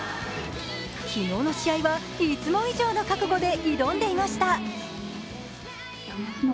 昨日の試合はいつも以上の覚悟で挑んでいました。